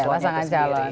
iya pasangan jalan